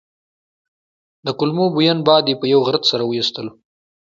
د کولمو بوین باد یې په یوه غرت سره وايستلو.